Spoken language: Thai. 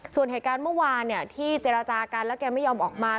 ส่วนเหตุการณ์เมื่อวานที่เจรจากันแล้วแกไม่ยอมออกมา